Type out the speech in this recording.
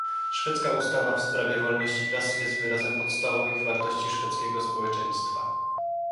Szwedzka ustawa w sprawie wolności prasy jest wyrazem podstawowych wartości szwedzkiego społeczeństwa